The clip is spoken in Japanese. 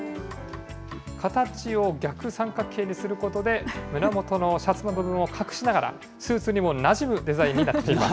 形を逆三角形にすることで、胸元のシャツの部分を隠しながら、スーツにもなじむデザインになっています。